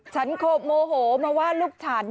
โมโหมาว่าลูกฉัน